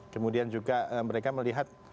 kemudian juga mereka melihat